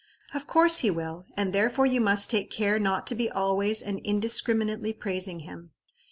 Of course he will, and therefore you must take care not to be always and indiscriminately praising him.